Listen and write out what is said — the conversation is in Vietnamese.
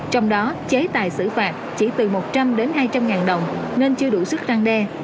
trong đó chế tài xử phạt chỉ từ một trăm linh đến hai trăm linh ngàn đồng nên chưa đủ sức răng đe